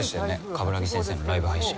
鏑木先生のライブ配信。